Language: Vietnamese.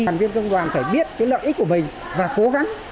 đoàn viên công đoàn phải biết lợi ích của mình và cố gắng